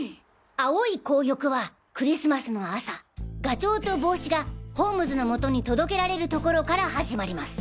『青い紅玉』はクリスマスの朝ガチョウと帽子がホームズのもとに届けられるところから始まります。